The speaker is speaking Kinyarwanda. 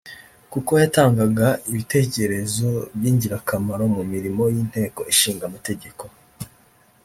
kuko yatangaga ibitekerezo by’ingirakamaro mu mirimo y’Inteko Ishinga Amategeko